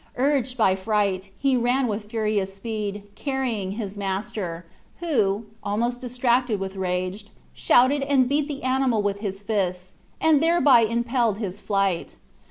Urged by fright, he ran with furious speed, carrying his master, who, almost distracted with rage, shouted and beat the animal with his fists, and thereby impelled his flight.